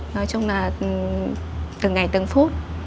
nói chung là từng ngày từng phút